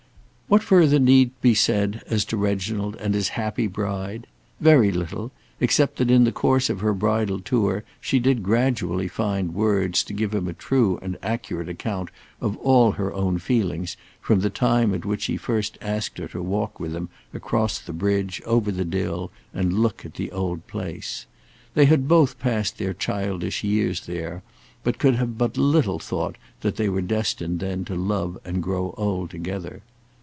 What further need be said as to Reginald and his happy bride? Very little; except that in the course of her bridal tour she did gradually find words to give him a true and accurate account of all her own feelings from the time at which he first asked her to walk with him across the bridge over the Dill and look at the old place. They had both passed their childish years there, but could have but little thought that they were destined then to love and grow old together.